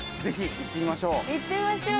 行ってみましょう！